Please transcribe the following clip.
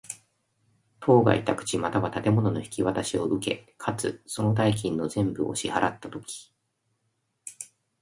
当該宅地又は建物の引渡しを受け、かつ、その代金の全部を支払つたとき。